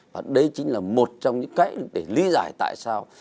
và đây chính là một trong những cái để lý giải tại sao